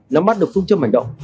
nắm mắt được phương châm hành động